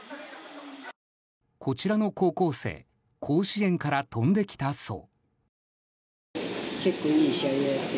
こちらの高校生甲子園から飛んできたそう。